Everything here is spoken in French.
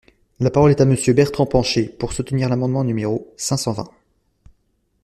La parole est à Monsieur Bertrand Pancher, pour soutenir l’amendement numéro cinq cent vingt.